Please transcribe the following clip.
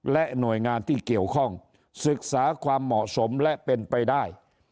และหน่วยงานที่เกี่ยวข้องศึกษาความเหมาะสมและเป็นไปได้